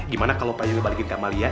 gimana kalau prajurit balikin ke amalia